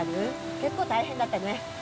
結構大変だったね。